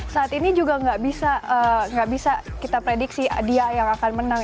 saat ini juga nggak bisa kita prediksi dia yang akan menang